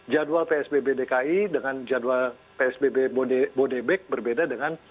jadwal psbb dki dengan jadwal psbb bodebek berbeda dengan